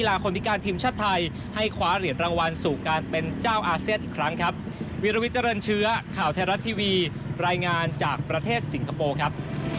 และแบตมินตัน๑เหรียญทองครับ